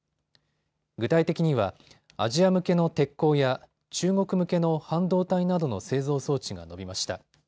具体的にはアジア向けの鉄鋼や中国向けの半導体などの製造装置が伸びました。